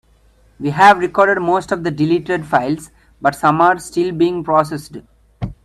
We have recovered most of the deleted files, but some are still being processed.